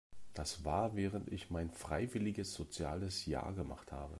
Das war während ich mein freiwilliges soziales Jahr gemacht habe.